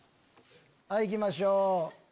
はいいきましょう。